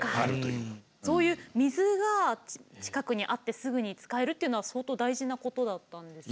そういう水が近くにあってすぐに使えるというのは相当大事なことだったんですよね。